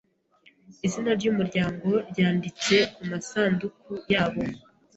Izina ryumuryango ryanditse kumasanduku yabo.